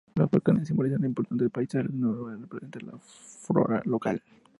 Los volcanes simbolizan lo imponente de los paisajes; el nogal representa la flora local.